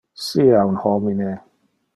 Sia un homine.